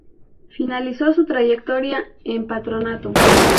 Finalizó su trayectoria en Patronato.